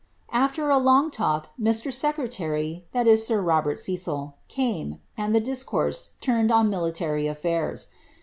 ler a long talk, Mr. Secretary (sir Robert Cecil) came, and the dis « turned on military afiairs.